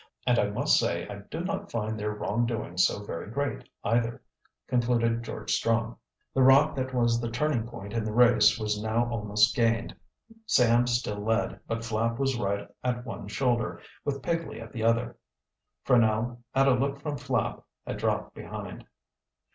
And I must say I do not find their wrong doings so very great either," concluded George Strong. The rock that was the turning point in the race was now almost gained. Sam still led, but Flapp was right at one shoulder, with Pigley at the other. Franell, at a look from Flapp, had dropped behind.